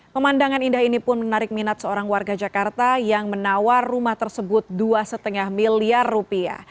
pemandangan indah ini pun menarik minat seorang warga jakarta yang menawar rumah tersebut dua lima miliar rupiah